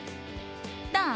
どう？